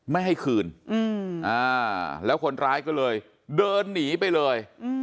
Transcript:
ไม่ให้คืนแล้วคนร้ายก็เลยเดินหนีไปเลย